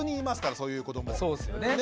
そうですよね。ね！